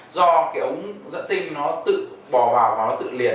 do ống dựa tinh nó bò vào và nó tự liền